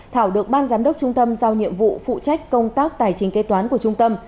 thảo được ban giám đốc trung tâm giao nhiệm vụ phụ trách công tác tài chính kế toán của trung tâm